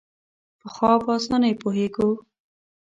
پخوا په اسانۍ پوهېږو.